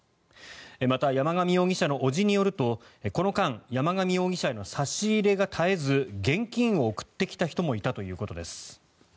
また、山上容疑者の伯父によるとこの間山上容疑者への差し入れが絶えず現金を送ってきた人もいたということです。